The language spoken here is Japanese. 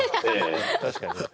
確かに。